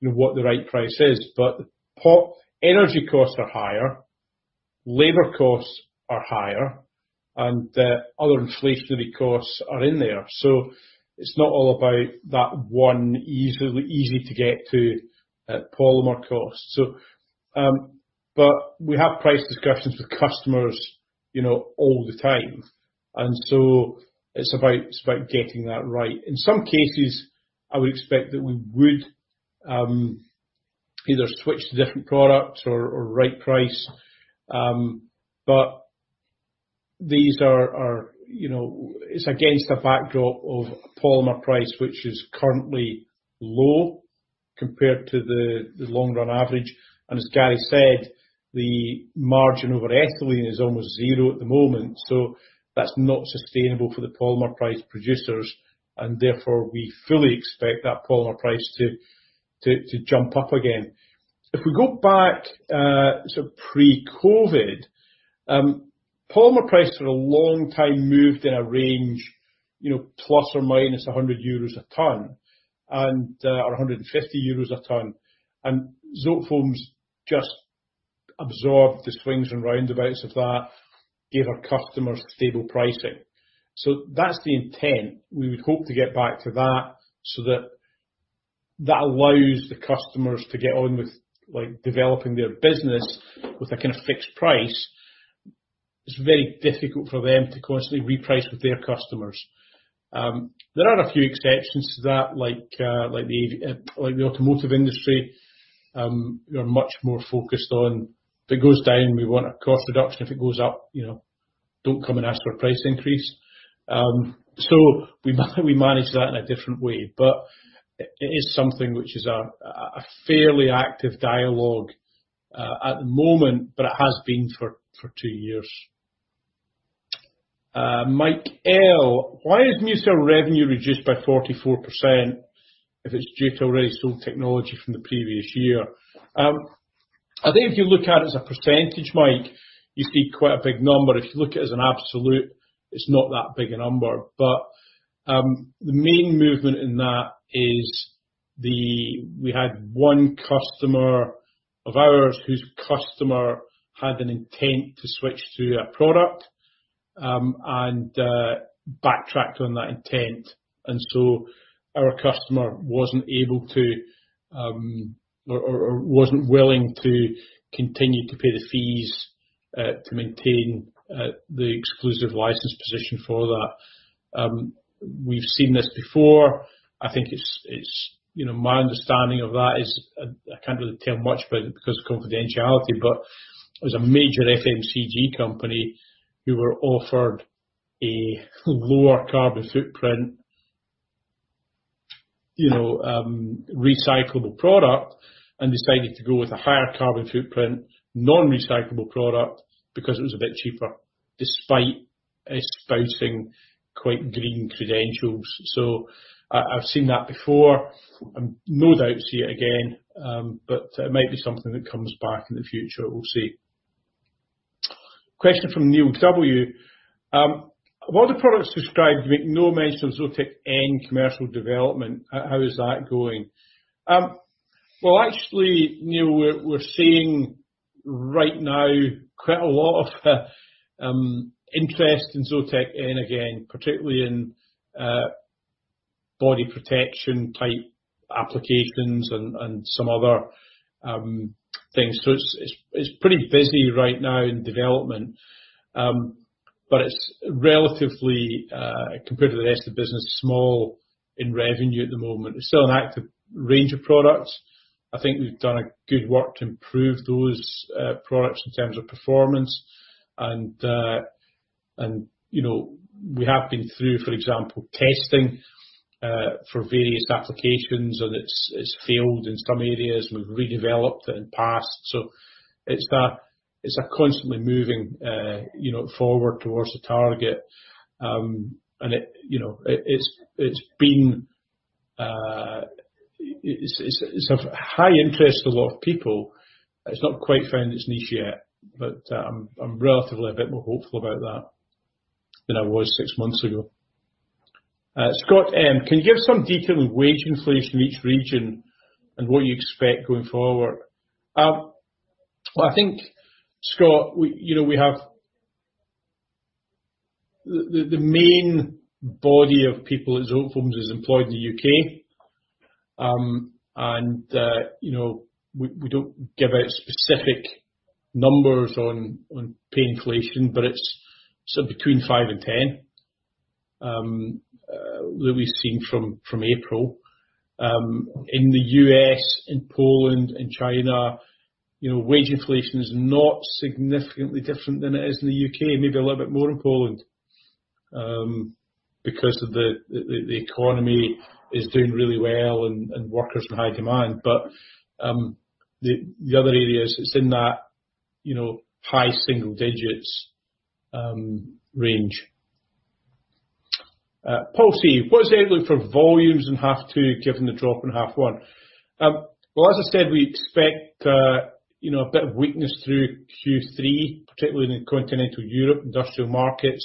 you know, what the right price is. Energy costs are higher, labor costs are higher, and other inflationary costs are in there. It's not all about that one easily, easy to get to polymer cost. We have price discussions with customers, you know, all the time, and it's about, it's about getting that right. In some cases, I would expect that we would either switch to different products or, or right price. You know, it's against a backdrop of polymer price, which is currently low compared to the long-run average, and as Gary said, the margin over ethylene is almost zero at the moment, so that's not sustainable for the polymer price producers, and therefore, we fully expect that polymer price to jump up again. If we go back, sort of pre-COVID, polymer price for a long time moved in a range, you know, plus or minus 100 euros a ton, or 150 euros a ton, and Zotefoams just absorbed the swings and roundabouts of that, gave our customers stable pricing. That's the intent. We would hope to get back to that so that, that allows the customers to get on with, like, developing their business with a kind of fixed price. It's very difficult for them to constantly reprice with their customers. There are a few exceptions to that, like the automotive industry, we are much more focused on, if it goes down, we want a cost reduction. If it goes up, you know, don't come and ask for a price increase. We manage that in a different way, but it, it is something which is a, a, a fairly active dialogue at the moment, but it has been for two years. Why is Musa revenue reduced by 44% if it's due to already sold technology from the previous year? I think if you look at it as a percentage, Mike, you see quite a big number. If you look at it as an absolute, it's not that big a number, but, the main movement in that. We had one customer of ours, whose customer had an intent to switch to a product, and backtracked on that intent. So our customer wasn't able to, or, or, or wasn't willing to continue to pay the fees, to maintain the exclusive license position for that. We've seen this before. I think it's, it's, you know, my understanding of that is, I can't really tell much about it because of confidentiality, but there's a major FMCG company who were offered a lower carbon footprint, you know, recyclable product and decided to go with a higher carbon footprint, non-recyclable product because it was a bit cheaper, despite espousing quite green credentials. I, I've seen that before, and no doubt see it again, but it might be something that comes back in the future. We'll see. Question from Neil W: While the products described make no mention of ZOTEK N commercial development, how is that going? Well, actually, Neil, we're, we're seeing right now quite a lot of interest in ZOTEK N, again, particularly in body protection-type applications and, and some other things. It's, it's, it's pretty busy right now in development. It's relatively, compared to the rest of the business, small in revenue at the moment. It's still an active range of products. I think we've done a good work to improve those products in terms of performance, and, you know, we have been through, for example, testing for various applications, and it's, it's failed in some areas, and we've redeveloped it and passed. It's a constantly moving, you know, forward towards the target. It, you know, it, it's, it's been... It's of high interest to a lot of people. It's not quite found its niche yet, but I'm relatively a bit more hopeful about that than I was six months ago. Can you give some detail of wage inflation in each region and what you expect going forward? Well, I think, Scott, you know, the main body of people at Zotefoams is employed in the U.K. You know, we don't give out specific numbers on pay inflation, but it's between 5% and 10% that we've seen from April. In the U.S., in Poland, and China, you know, wage inflation is not significantly different than it is in the U.K., maybe a little bit more in Poland, because of the economy is doing really well and workers are in high demand. The other areas, it's in that, you know, high single digits% range. What is the outlook for volumes in half two, given the drop in half one? Well, as I said, we expect, you know, a bit of weakness through Q3, particularly in the continental Europe industrial markets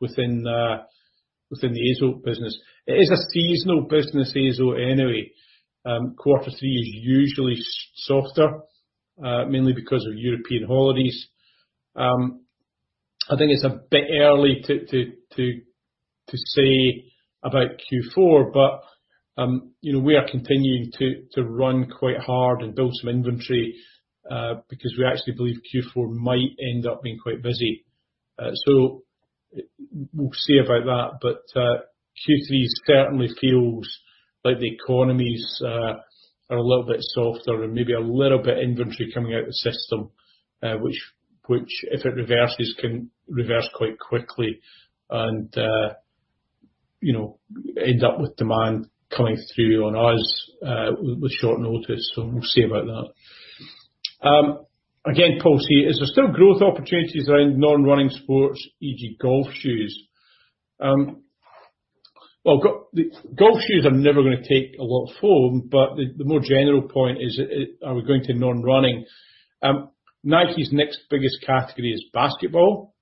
within the AZO business. It is a seasonal business, AZO, anyway. Q3 is usually softer, mainly because of European holidays. I think it's a bit early to say about Q4, but, you know, we are continuing to run quite hard and build some inventory, because we actually believe Q4 might end up being quite busy. We'll see about that. Q3 certainly feels like the economies are a little bit softer and maybe a little bit inventory coming out the system, which, which, if it reverses, can reverse quite quickly, and, you know, end up with demand coming through on us with short notice, so we'll see about that. Again, Paul C: Is there still growth opportunities around non-running sports, e.g., golf shoes? Well, the golf shoes are never gonna take a lot of foam, the more general point is, are we going to non-running? NIKE's next biggest category is basketball.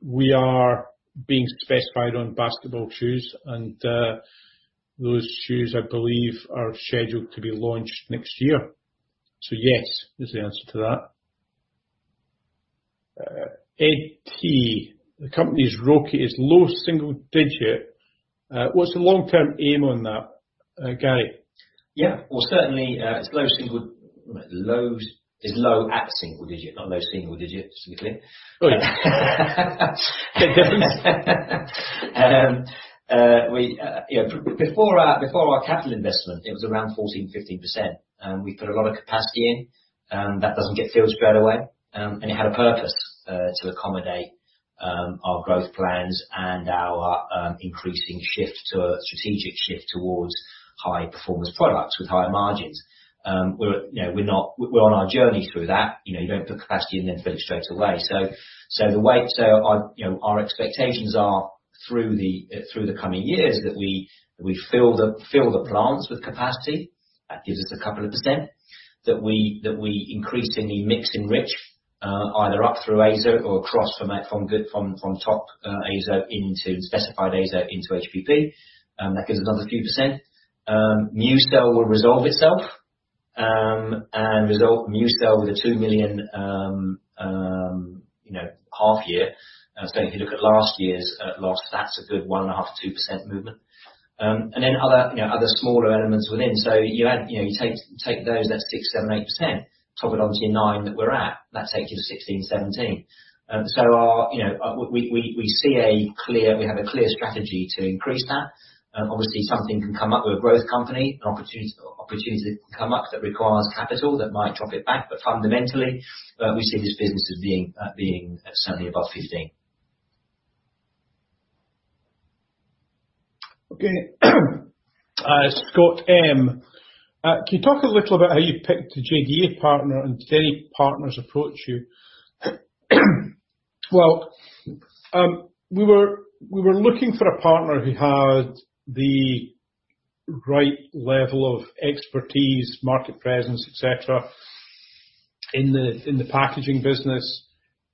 We are being specified on basketball shoes, those shoes, I believe, are scheduled to be launched next year. Yes, is the answer to that. AT, the company's ROCE is low single digit. What's the long-term aim on that, Gary? Yeah. Well, certainly, it's low single... Low. It's low at single digit, not low single digit, significantly. Right. You know, before our, before our capital investment, it was around 14%-15%. We put a lot of capacity in, that doesn't get filled straight away. It had a purpose to accommodate our growth plans and our increasing shift to a strategic shift towards High-Performance Products with higher margins. We're, you know, we're on our journey through that. You know, you don't put capacity and then fill it straight away. The way... So our, you know, our expectations are, through the coming years, that we, we fill the, fill the plants with capacity. That gives us a couple of percent. That we, that we increasingly mix and rich.... either up through AZOTE or across from that, from good, from, from top, AZOTE into specified AZOTE into HPP. That gives another few percent. MuCell will resolve itself and result MuCell with a 2 million, you know, half year. If you look at last year's loss, that's a good 1.5%-2% movement. Other, you know, other smaller elements within. You know, you take, take those, that's 6%, 7%, 8%. Top it onto your nine that we're at, that takes you to 16, 17. Our, you know, we, we, we see a clear strategy to increase that. Obviously, something can come up with a growth company, an opportunity can come up that requires capital that might drop it back, but fundamentally, we see this business as being certainly above 15. Okay. Scott M, can you talk a little about how you picked the JDA partner, and did any partners approach you? Well, we were, we were looking for a partner who had the right level of expertise, market presence, et cetera, in the, in the packaging business,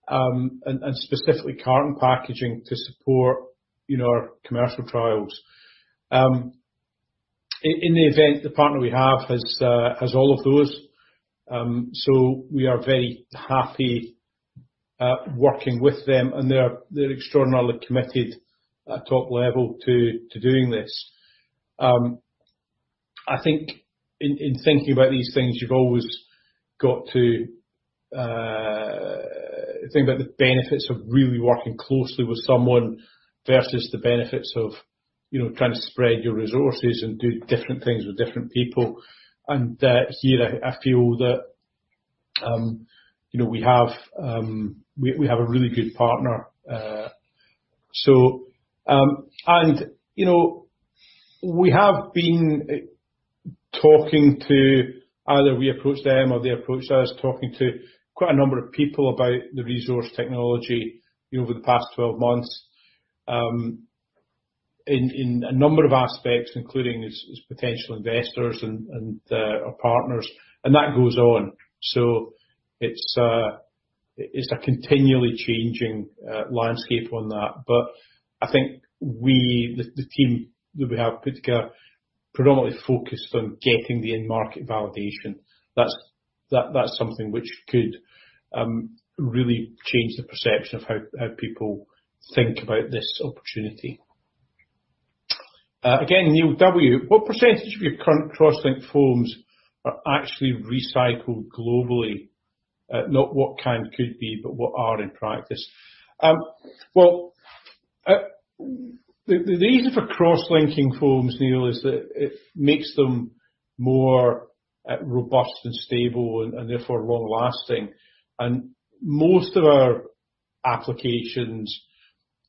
and, and specifically carton packaging to support, you know, our commercial trials. In, in the event, the partner we have has, has all of those, so we are very happy, working with them, and they're, they're extraordinarily committed at top level to, to doing this. I think in, in thinking about these things, you've always got to, think about the benefits of really working closely with someone versus the benefits of, you know, trying to spread your resources and do different things with different people. Here, I, I feel that, you know, we have, we, we have a really good partner. You know, we have been talking to either we approach them or they approach us, talking to quite a number of people about the ReZorce technology over the past 12 months, in, in a number of aspects, including as, as potential investors and, and, our partners, and that goes on. It's, it's a continually changing, landscape on that. I think we... the, the team that we have put together predominantly focused on getting the end market validation. That's, that, that's something which could, really change the perception of how, how people think about this opportunity. Again, What percentage of your current cross-linked foams are actually recycled globally? Not what can, could be, but what are in practice. Well, the reason for cross-linking foams, Neil, is that it makes them more robust and stable and, and therefore, long-lasting. Most of our applications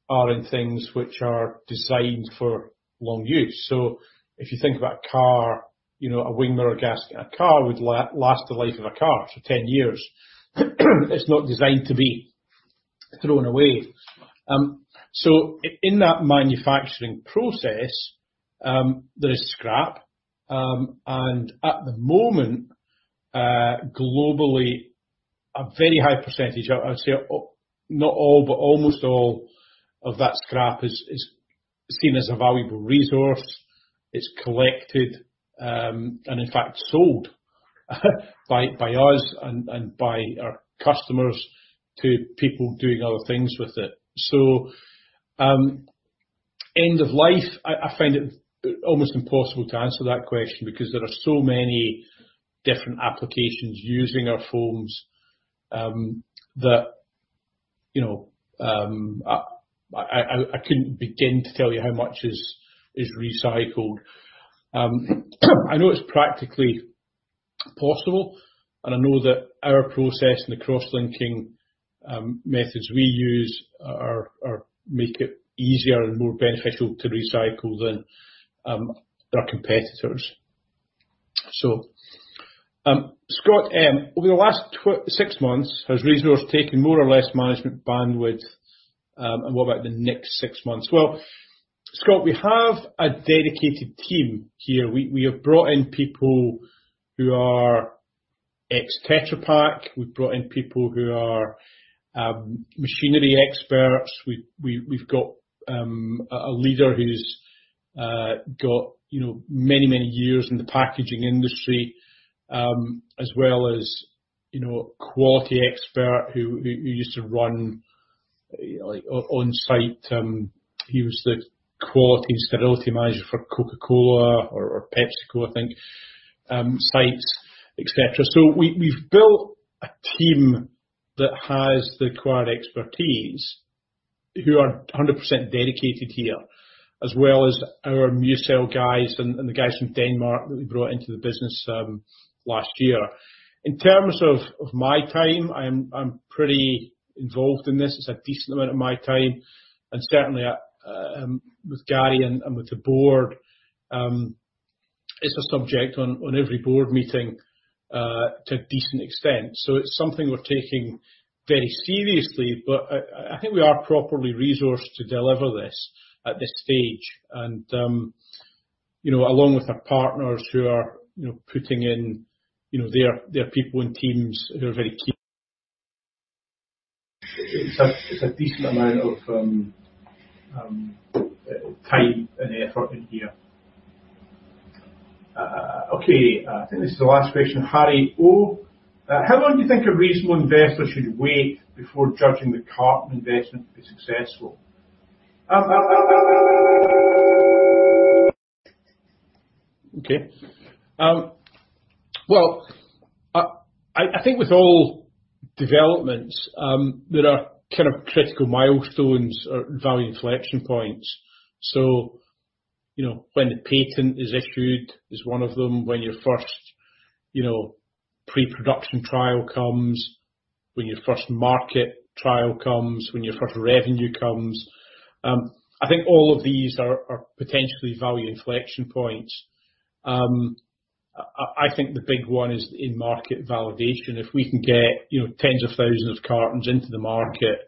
are in things which are designed for long use. If you think about a car, you know, a wing mirror gasket in a car would last the life of a car, so 10 years. It's not designed to be thrown away. So in that manufacturing process, there is scrap, and at the moment, globally, a very high percentage, I, I'd say, not all, but almost all of that scrap is, is seen as a valuable ReZorce. It's collected, and in fact, sold, by, by us and, and by our customers to people doing other things with it. End of life, I, I find it almost impossible to answer that question because there are so many different applications using our foams, that, you know, I, I, I couldn't begin to tell you how much is, is recycled. I know it's practically possible, and I know that our process and the cross-linking methods we use make it easier and more beneficial to recycle than our competitors. Over the last six months, has ReZorce taken more or less management bandwidth, and what about the next six months? Well, Scott, we have a dedicated team here. We, we have brought in people who are ex-Tetra Pak. We've brought in people who are machinery experts. We've, we've, we've got a leader who's got, you know, many, many years in the packaging industry, as well as, you know, a quality expert who, who used to run, like, on site. He was the quality and sterility manager for Coca-Cola or, or PepsiCo, I think, sites, et cetera. We, we've built a team that has the required expertise, who are 100% dedicated here, as well as our MuCell guys and, and the guys from Denmark that we brought into the business last year. In terms of, of my time, I'm, I'm pretty involved in this. It's a decent amount of my time, and certainly, with Gary and, and with the board, it's a subject on, on every board meeting to a decent extent. It's something we're taking very seriously, but I, I, I think we are properly resourced to deliver this at this stage. You know, along with our partners who are, you know, putting in, you know, their, their people and teams who are very key. It's a, it's a decent amount of time and effort in here. Okay, I think this is the last question. Harry O: "How long do you think a reasonable investor should wait before judging the carton investment to be successful?" Okay. Well, I, I, I think with all developments, there are kind of critical milestones or value inflection points. You know, when the patent is issued is one of them. When your first, you know, pre-production trial comes, when your first market trial comes, when your first revenue comes, I think all of these are, are potentially value inflection points. I, I think the big one is in-market validation. If we can get, you know, tens of thousands of cartons into the market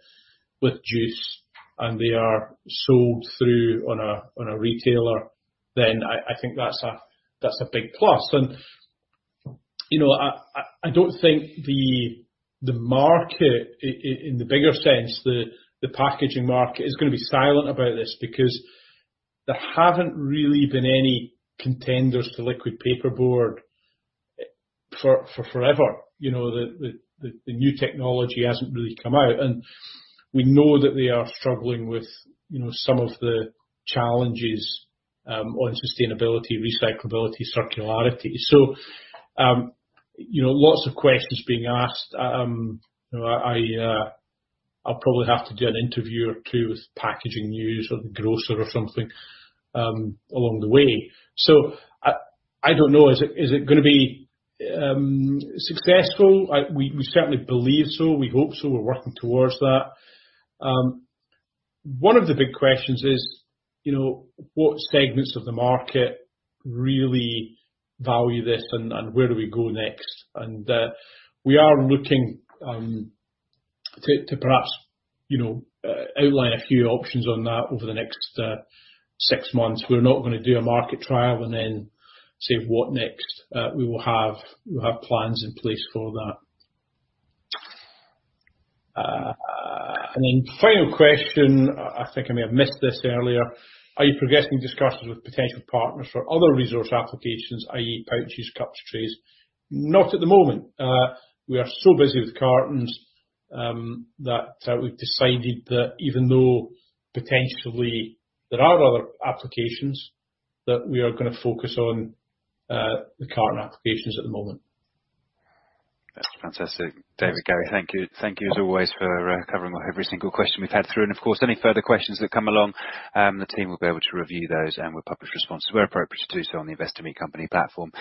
with juice, and they are sold through on a, on a retailer, then I, I think that's a, that's a big plus. You know, I, I, I don't think the, the market in the bigger sense, the, the packaging market is gonna be silent about this, because there haven't really been any contenders to liquid paperboard for, for forever. You know, the, the, the new technology hasn't really come out, and we know that they are struggling with, you know, some of the challenges, on sustainability, recyclability, circularity. You know, lots of questions being asked. I, I'll probably have to do an interview or two with Packaging News or the Grocer or something along the way. I, I don't know. Is it, is it gonna be successful? We, we certainly believe so. We hope so. We're working towards that. One of the big questions is, you know, what segments of the market really value this, and, and where do we go next? We are looking to, to perhaps, you know, outline a few options on that over the next six months. We're not gonna do a market trial and then say, "What next?" We will have, we'll have plans in place for that. Final question, I think I may have missed this earlier: "Are you progressing discussions with potential partners for other ReZorce applications, i.e., pouches, cups, trays?" Not at the moment. We are so busy with cartons, that we've decided that even though potentially there are other applications, that we are gonna focus on the carton applications at the moment. That's fantastic. David, Gary, thank you. Thank you as always, for covering every single question we've had through. Of course, any further questions that come along, the team will be able to review those, and we'll publish responses, where appropriate, to do so on the Investami company platform.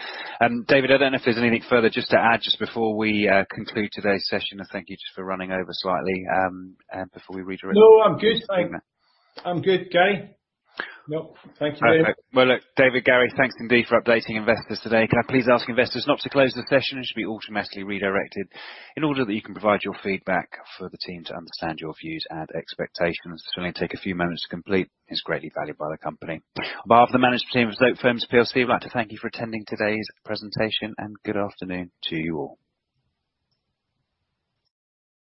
David, I don't know if there's anything further just to add just before we conclude today's session. I thank you just for running over slightly, and before we redirect... No, I'm good. I'm good, Gary? Nope. Thank you, David. Well, look, David, Gary, thanks indeed for updating investors today. Can I please ask investors not to close the session? It should be automatically redirected in order that you can provide your feedback for the team to understand your views and expectations. This will only take a few moments to complete, it's greatly valued by the company. On behalf of the management team of Zotefoams plc, we'd like to thank you for attending today's presentation, and good afternoon to you all.